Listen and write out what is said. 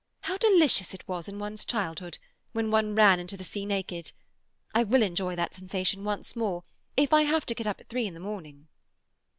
How delicious it was in one's childhood, when one ran into the sea naked! I will enjoy that sensation once more, if I have to get up at three in the morning."